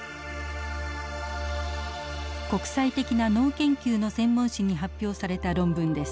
国際的な脳研究の専門誌に発表された論文です。